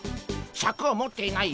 シャクを持っていない